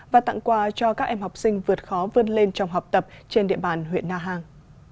và tặng quà cho các em học sinh vượt khó vươn lên trong học tập trên địa bàn huyện na hàng